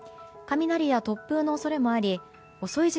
雷や突風の恐れもあり遅い